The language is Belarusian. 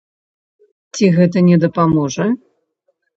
Ці гэта не дапаможа?